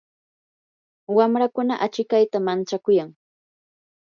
wamrakuna achikayta manchakuyan.